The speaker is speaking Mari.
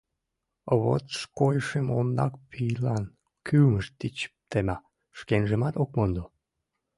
Вошткойшым ондак пийлан кӱмыж тич тема, шкенжымат ок мондо.